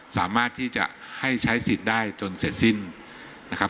สามารถที่จะให้ใช้สิทธิ์ได้จนเสร็จสิ้นนะครับ